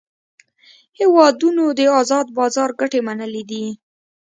هیوادونو د آزاد بازار ګټې منلې دي